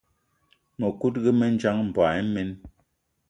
Mëkudgë mendjang, mboigi imen.